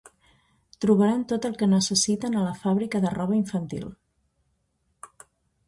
Trobaran tot el que necessiten a la fàbrica de roba infantil.